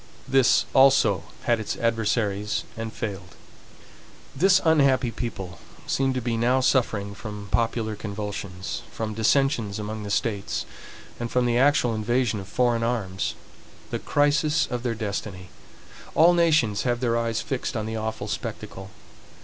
This also had its adversaries and failed. This unhappy people seem to be now suffering from popular convulsions, from dissensions among the states, and from the actual invasion of foreign arms, the crisis of their destiny. All nations have their eyes fixed on the awful spectacle.